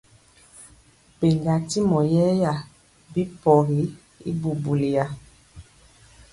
Pɛnja ntyimɔ yɛɛya bi pɔgi y bubuya ri.